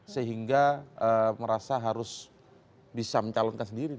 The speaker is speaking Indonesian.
sehingga merasa harus bisa mencalonkan sendiri